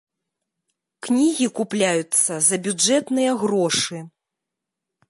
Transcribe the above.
Кнігі купляюцца за бюджэтныя грошы.